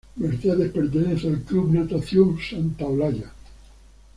Mercedes pertenece al Club Natación Santa Olaya.